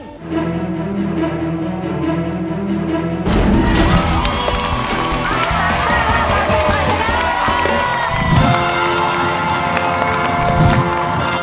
ภารกิจวัลชนะ